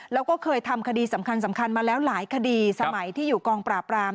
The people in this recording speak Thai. แล้วก็เคยทำคดีสำคัญมาแล้วหลายคดีสมัยที่อยู่กองปราบราม